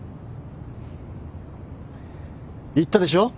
言ったでしょ。